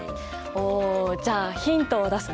おじゃあヒントを出すね。